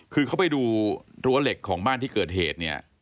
คือเขาไปดูรั้วเหล็กของบ้านที่เกิดเหตุเนี่ย